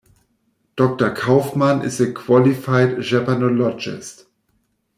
Doctor Kaufmann is a qualified Japanologist.